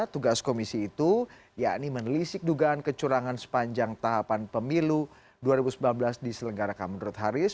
tugas komisi itu yakni menelisik dugaan kecurangan sepanjang tahapan pemilu dua ribu sembilan belas diselenggarakan menurut haris